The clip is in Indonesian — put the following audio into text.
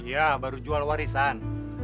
iya baru jual warisan